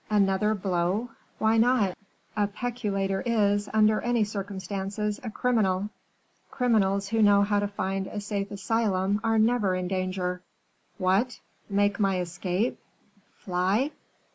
"Another blow, why not? A peculator is, under any circumstances, a criminal." "Criminals who know how to find a safe asylum are never in danger." "What! make my escape? Fly?"